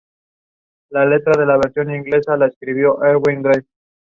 Rwanda and Turkey have friendly relations.